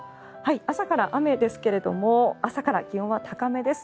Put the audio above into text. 朝から雨ですけれども朝から気温は高めです。